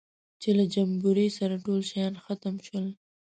چې له جمبوري سره ټول شیان ختم شول.